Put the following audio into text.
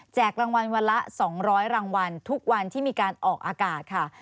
รางวัลวันละ๒๐๐รางวัลทุกวันที่มีการออกอากาศค่ะ